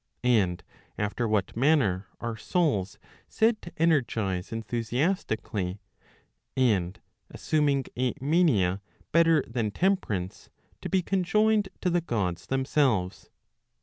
And after what manner are souls said to energize enthusiastically, and assuming a mania better than temperance' to be conjoined to the Gods themselves